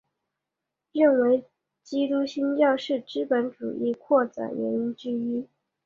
认为基督新教是资本主义扩展原因之一。